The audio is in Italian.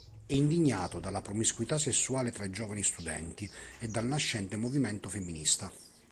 È indignato dalla promiscuità sessuale tra i giovani studenti e dal nascente movimento femminista.